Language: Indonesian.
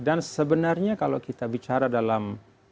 dan sebenarnya kalau kita bicara dalam